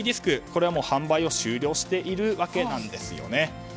これはもう販売を終了しているわけなんですよね。